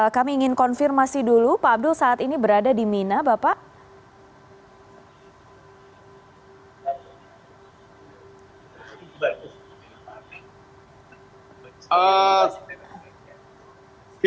kami ingin konfirmasi dulu pak abdul saat ini berada di mina bapak